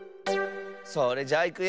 それじゃいくよ。